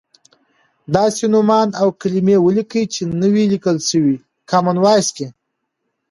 داسې نومان او کلیمې ولیکئ چې نه وې لیکل شوی کامن وایس کې.